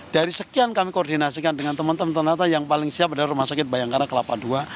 dari sekian kami koordinasikan dengan teman teman ternyata yang paling siap adalah rumah sakit bayangkara kelapa ii